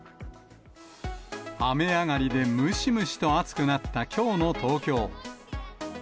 雨上がりでムシムシと暑くなったきょうの東京。